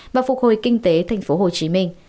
và phục hồi kinh tế tp hcm